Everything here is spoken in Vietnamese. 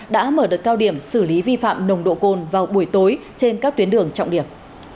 đã mở đợt cao điểm xử lý vi phạm nồng độ cồn vào buổi tối trên các tuyến đường trọng điểm